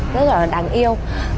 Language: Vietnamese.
rất là đáng yêu